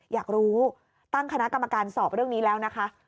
อยากรู้ตั้งคณะกรรมการสอบเรื่องนี้แล้วนะคะ